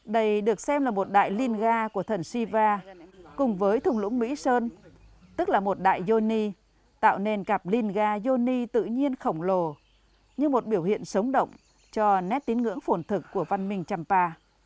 đây được xem là một đại linh ga của thần siva cùng với thùng lũng mỹ sơn tức là một đại yoni tạo nên cặp linh ga yoni tự nhiên khổng lồ như một biểu hiện sống động cho nét tiếng ngưỡng phổn thực của văn minh trầm pà